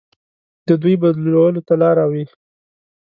د دوی بدلولو ته لاره وي.